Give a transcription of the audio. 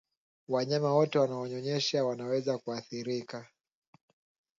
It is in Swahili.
Wanyama wote wanaonyonyesha wanaweza kuathirika